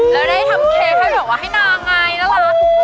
แล้วได้ทำเค้กให้แบบว่าให้นางไงน่ารัก